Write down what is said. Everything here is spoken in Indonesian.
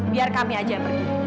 biar kami aja pergi